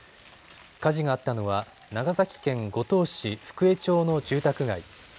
火事があったのは長崎県五島市福江町の住宅街。